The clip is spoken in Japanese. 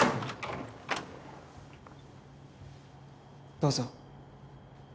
どうぞ。